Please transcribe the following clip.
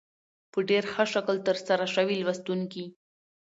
په ډېر ښه شکل تر سره شوې لوستونکي